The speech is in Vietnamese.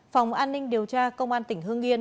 phòng an ninh điều tra công an tỉnh hương yên